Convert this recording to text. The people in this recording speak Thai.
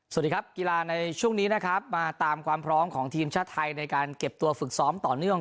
สวัสดีครับกีฬาในช่วงนี้นะครับมาตามความพร้อมของทีมชาติไทยในการเก็บตัวฝึกซ้อมต่อเนื่อง